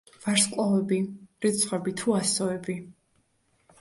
ვარსკვლავები, რიცხვები თუ ასოები?